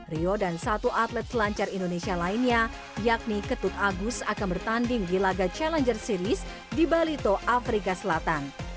rio dan satu atlet selancar indonesia lainnya yakni ketut agus akan bertanding di laga challenger series di balito afrika selatan